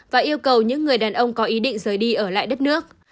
và yêu cầu những người đàn ông có ý định rời đi ở lại đất nước